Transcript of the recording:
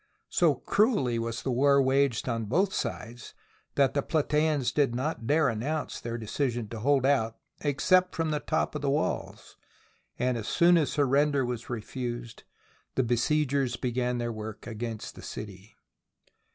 So cruelly was the war waged on both sides that the Platseans did not dare announce their decision to hold out except from the top of the walls; and as soon as surrender was refused, the besiegers began their work against the city.